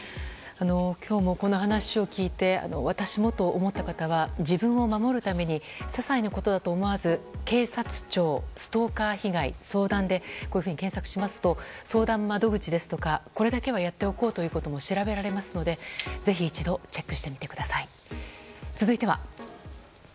今日もこの話を聞いて私もと思った方は自分を守るためにささいなことだと思わず「警察庁ストーカー被害相談」で検索しますと相談窓口ですとか、これだけはやっておこうということも調べられますのでぜひ一度チェックしてみてください。